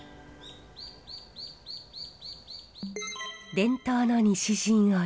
伝統の西陣織。